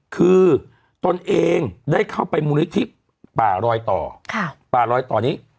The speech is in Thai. คือตนเองได้เข้าไปมูลฤทธิภัณฑ์ปร้อยตอนี้